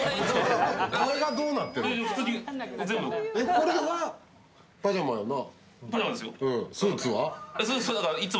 これはパジャマやな。